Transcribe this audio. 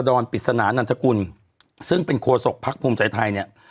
ดอนปิศนานัทกุลซึ่งเป็นโครศกพรรคภูมิใจไทยเนี้ย